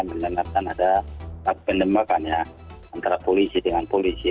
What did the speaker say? mendengarkan ada penembakan ya antara polisi dengan polisi